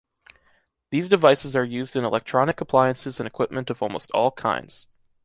These devices are used in electronic appliances and equipment of almost all kinds.